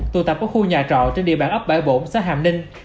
tụ tập ở khu nhà trọ trên địa bàn ấp bãi bổn xã hàm ninh